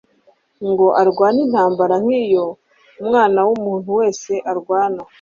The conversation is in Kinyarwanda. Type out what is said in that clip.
ngo arwane intambara nk'iyo umwana w'umuntu wese arwana